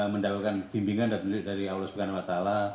mendapatkan bimbingan dan milik dari allah swt